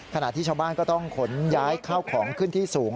ขณะที่ชาวบ้านก็ต้องขนย้ายข้าวของขึ้นที่สูง